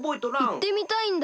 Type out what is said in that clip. いってみたいんだけど。